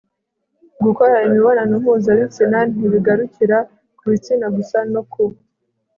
Gukora imibonano mpuzabitsina ntibigarukira ku bitsina gusa no ku